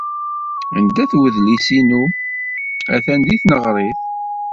Anda-t wedlis-inu? Atan deg tneɣrit.